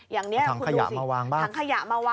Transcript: อย่างนี้คุณดูสิถังขยะมาวางกันไว้ถังขยะมาวางบ้าง